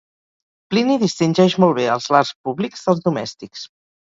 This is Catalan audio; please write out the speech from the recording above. Plini distingeix molt bé els lars públics dels domèstics.